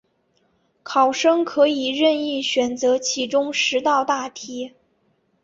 考生可以任意选择其中十道大题